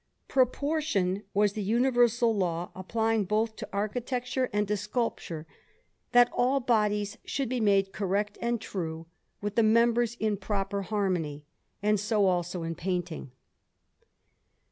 Proportion was the universal law applying both to architecture and to sculpture, that all bodies should be made correct and true, with the members in proper harmony; and so, also, in painting.